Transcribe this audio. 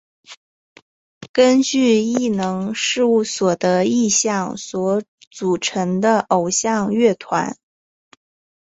根据艺能事务所的意向所组成的偶像乐团。